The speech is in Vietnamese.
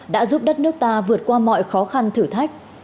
đã giúp đất nước ta vượt qua mọi khó khăn thử thách